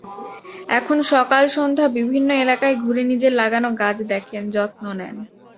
এখন সকাল-সন্ধ্যা বিভিন্ন এলাকায় ঘুরে নিজের লাগানো গাছ দেখেন, যত্ন নেন।